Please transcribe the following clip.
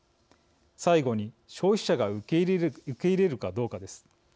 最後に消費者が受け入れるかどうかです。